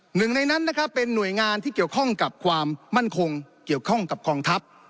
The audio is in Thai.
หนึ่งในนั้นนะครับเป็นหน่วยงานที่เกี่ยวข้องกับความมั่นคงเกี่ยวข้องกับกองทัพ